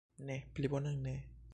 Ne, pli bonan ne!